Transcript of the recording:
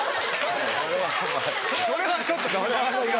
それはちょっと違う。